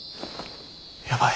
やばい。